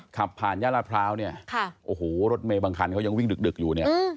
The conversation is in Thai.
ขับผ่านย่านลาดพร้าวเนี่ยโอ้โหรถเมย์บางคันเขายังวิ่งดึกอยู่เนี่ย